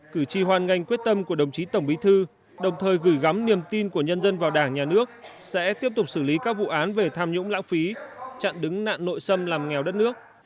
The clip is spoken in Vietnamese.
cử tri hoan nghênh quyết tâm của đồng chí tổng bí thư đồng thời gửi gắm niềm tin của nhân dân vào đảng nhà nước sẽ tiếp tục xử lý các vụ án về tham nhũng lãng phí chặn đứng nạn nội xâm làm nghèo đất nước